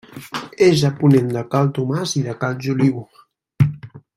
És a ponent de Cal Tomàs i de Cal Joliu.